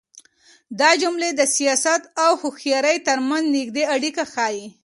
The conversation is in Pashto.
دا جملې د سياست او هوښيارۍ تر منځ نږدې اړيکه ښيي.